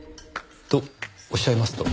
とおっしゃいますと？